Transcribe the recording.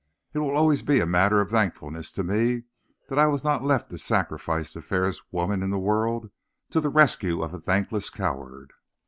It will always be a matter of thankfulness to me that I was not left to sacrifice the fairest woman in the world to the rescue of a thankless coward.'